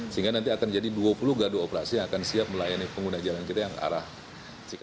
sehingga nanti akan jadi dua puluh gardu operasi yang akan siap melayani pengguna jalan kita yang arah cikampek